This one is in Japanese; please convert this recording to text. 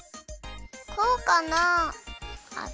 こうかな？